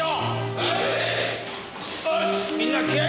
はい！